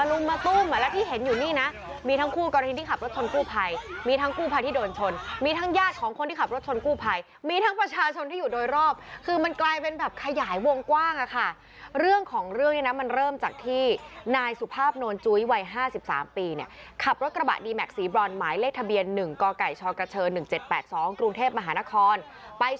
เฮ้ยเฮ้ยเฮ้ยเฮ้ยเฮ้ยเฮ้ยเฮ้ยเฮ้ยเฮ้ยเฮ้ยเฮ้ยเฮ้ยเฮ้ยเฮ้ยเฮ้ยเฮ้ยเฮ้ยเฮ้ยเฮ้ยเฮ้ยเฮ้ยเฮ้ยเฮ้ยเฮ้ยเฮ้ยเฮ้ยเฮ้ยเฮ้ยเฮ้ยเฮ้ยเฮ้ยเฮ้ยเฮ้ยเฮ้ยเฮ้ยเฮ้ยเฮ้ยเฮ้ยเฮ้ยเฮ้ยเฮ้ยเฮ้ยเฮ้ยเฮ้ย